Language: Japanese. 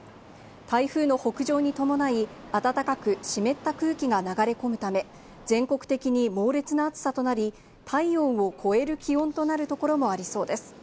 台風の北上に伴い、暖かく湿った空気が流れ込むため、全国的に猛烈な暑さとなり、体温を超える気温となるところもありそうです。